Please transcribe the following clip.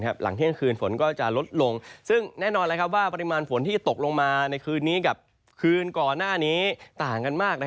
หลังเที่ยงคืนฝนก็จะลดลงซึ่งแน่นอนว่าปริมาณฝนที่ตกลงมาในคืนนี้กับคืนก่อนหน้านี้ต่างกันมาก